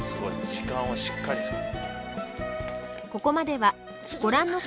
時間をしっかり使う。